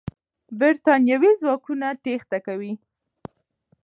برتانوي ځواکونه تېښته کوي.